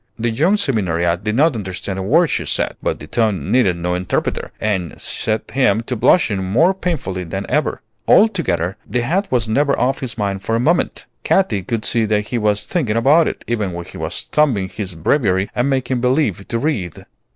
The young seminariat did not understand a word she said; but the tone needed no interpreter, and set him to blushing more painfully than ever. Altogether, the hat was never off his mind for a moment. Katy could see that he was thinking about it, even when he was thumbing his Breviary and making believe to read.